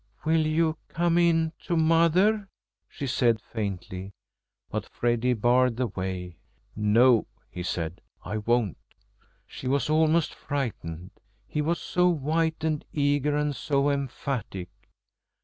"Will you come in to mother?" she said faintly; but Freddy barred the way. "No," he said. "I won't." She was almost frightened. He was so white and eager, and so emphatic.